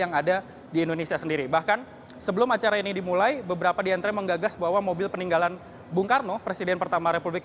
yang tersebut dan juga mengatakan bahwa mobil mobil peninggalan bung karno presiden pertama republik